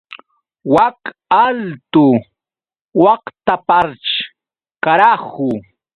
Wak altu waqtapaćhr, ¡karahu!